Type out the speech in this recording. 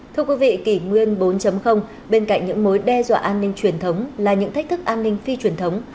thưa quý vị kỷ nguyên bốn bên cạnh những mối đe dọa an ninh truyền thống là những thách thức an ninh phi truyền thống